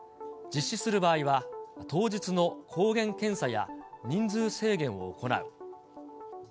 実施する場合は、当日の抗原検査や人数制限を行う。